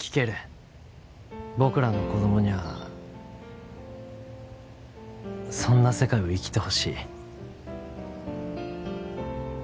僕らの子供にゃあそんな世界を生きてほしい。